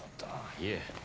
いえ。